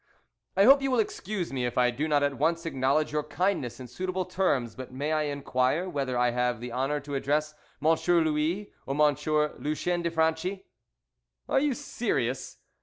"I hope you will excuse me if I do not at once acknowledge your kindness in suitable terms, but may I inquire whether I have the honour to address M. Louis or M. Lucien de Franchi?" "Are you serious?